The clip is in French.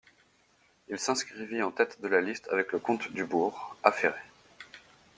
Il s'inscrivit en tête de la liste avec le comte Dubourg, affairé.